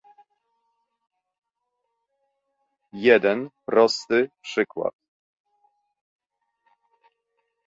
Jeden prosty przykład